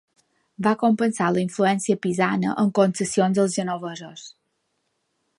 Va compensar la influència pisana amb concessions als genovesos.